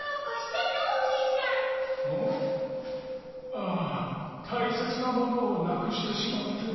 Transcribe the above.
ああたいせつなものをなくしてしまってね。